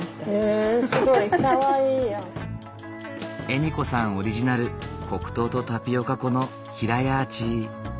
笑子さんオリジナル黒糖とタピオカ粉のヒラヤーチー。